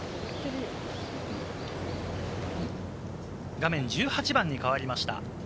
画面１８番に変わりました。